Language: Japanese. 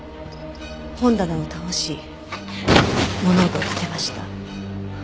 本棚を倒し物音を立てました。